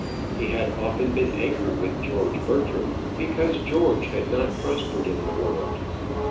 He had often been angry with George Bertram because George had not prospered in the world.